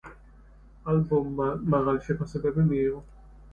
ალბომმა მაღალი შეფასებები მიიღო.